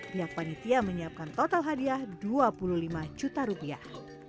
pihak panitia menyiapkan total hadiah dua puluh lima juta rupiah